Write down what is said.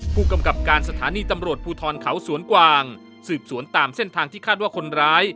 ผู้กำกับการสถานีตำรวจภูทรเขาสวนกวางสืบสวนตามเส้นทางที่คาดว่าคนร้าย